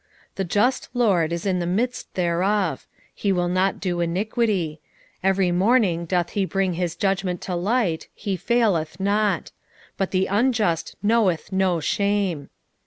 3:5 The just LORD is in the midst thereof; he will not do iniquity: every morning doth he bring his judgment to light, he faileth not; but the unjust knoweth no shame.